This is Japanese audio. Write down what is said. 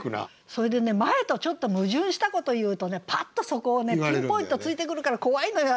それでね前とちょっと矛盾したことを言うとねパッとそこをピンポイント突いてくるから怖いのよ